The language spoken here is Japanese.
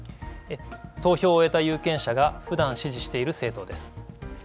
投票を終えた有権者が、ふだん支持している政党です。